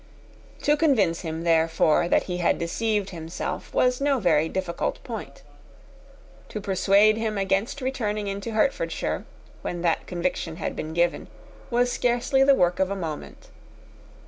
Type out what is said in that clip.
To convince him, therefore, that he had deceived himself was no very difficult point. To persuade him against returning into Hertfordshire, when that conviction had been given, was scarcely the work of a moment.